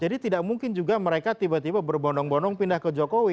jadi tidak mungkin juga mereka tiba tiba berbonong bonong pindah ke jokowi